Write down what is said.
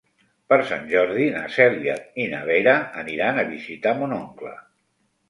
Per Sant Jordi na Cèlia i na Vera aniran a visitar mon oncle.